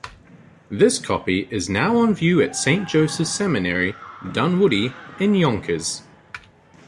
This copy is now on view at Saint Joseph's Seminary, Dunwoodie, in Yonkers.